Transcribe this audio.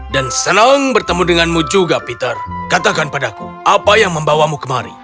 dan senang bertemu denganmu juga peter katakan padaku apa yang membawamu kemari